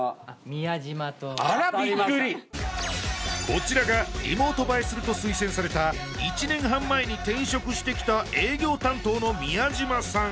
こちらがリモート映えすると推薦された１年半前に転職してきた営業担当の宮嶋さん